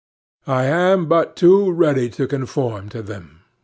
I am but too ready to conform to them.